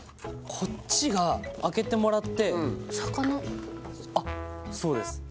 こっちが開けてもらってあっそうですあ